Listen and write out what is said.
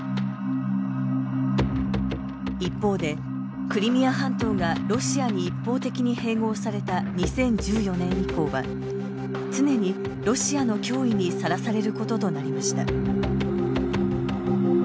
一方でクリミア半島がロシアに一方的に併合された２０１４年以降は常にロシアの脅威にさらされることとなりました。